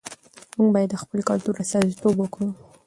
موږ بايد د خپل کلتور استازیتوب وکړو.